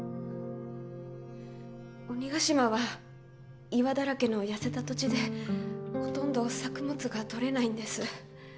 鬼ヶ島は岩だらけの痩せた土地でほとんど作物がとれないんです。